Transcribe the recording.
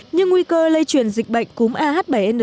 nhưng nguy cơ lây truyền dịch bệnh cúm ah bảy n